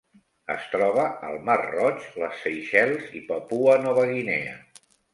Es troba al Mar Roig, les Seychelles i Papua Nova Guinea.